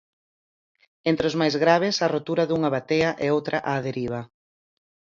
Entre os máis graves, a rotura dunha batea e outra á deriva.